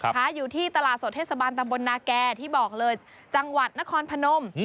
อยู่ที่ตลาดสดเทศบาลตำบลนาแก่ที่บอกเลยจังหวัดนครพนม